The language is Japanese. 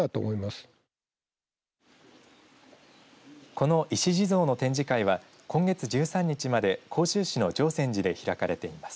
この石地蔵の展示会は今月１３日まで甲州市の常泉寺で開かれています。